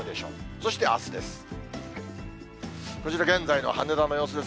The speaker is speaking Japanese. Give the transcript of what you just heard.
そして、あすです。